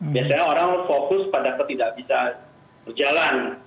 biasanya orang fokus pada ketidak bisa berjalan